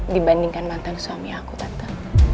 dibandingkan mantan suami aku datang